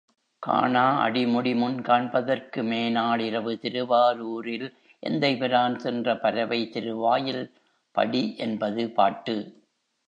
காணா அடிமுடிமுன் காண்பதற்கு மேனாள் இரவு திருவாரூரில் எந்தைபிரான் சென்ற பரவை திருவாயில் படி என்பது பாட்டு.